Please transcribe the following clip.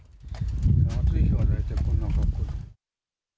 暑い日は大体こんな感じ。